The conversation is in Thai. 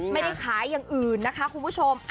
ไม่ได้ขายอย่างอื่นนะคะคุณผู้ชม